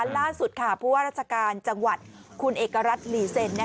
ล่าสุดค่ะผู้ว่าราชการจังหวัดคุณเอกรัฐหลีเซ็น